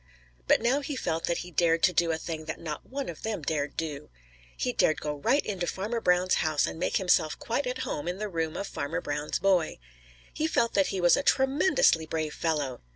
But now he felt that he dared do a thing that not one of them dared do. He dared go right into Farmer Brown's house and make himself quite at home in the room of Farmer Brown's boy. He felt that he was a tremendously brave fellow.